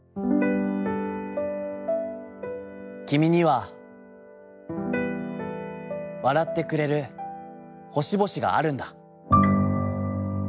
『きみには、笑ってくれる星々があるんだ！』」。